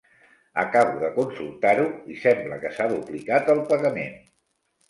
Acabo de consultar-ho i sembla que s'ha duplicat el pagament.